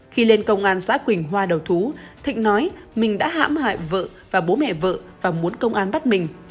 khi lên công an xã quỳnh hoa đầu thú thịnh nói mình đã hãm hại vợ và bố mẹ vợ và muốn công an bắt mình